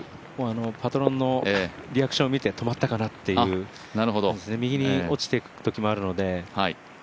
パトロンのリアクションを見て止まったかなという感じ、右に落ちていくときもあるので。